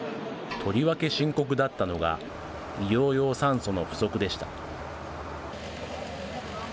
とりわけ深刻だったのが、医療用酸素の不足でした。